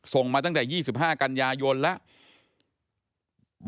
ส่งมาตั้งแต่๒๕กันยายนแล้ว